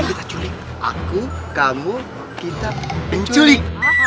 kita culik aku kamu kita penculik